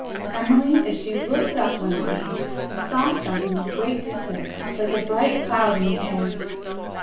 Emily, as she looked up one of these, saw something at a great distance like a bright cloud in the air.